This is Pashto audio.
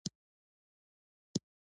وګړي د افغانستان د طبیعي پدیدو یو رنګ دی.